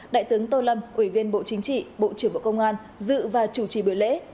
đại tướng tô lâm ủy viên bộ chính trị bộ trưởng bộ công an dự và chủ trì buổi lễ